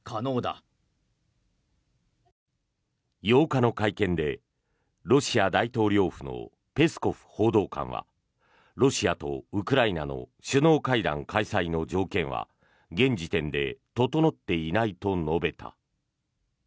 ８日の会見でロシア大統領府のペスコフ報道官はロシアとウクライナの首脳会談開催の条件は現時点で整っていないと述べた。